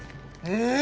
えっ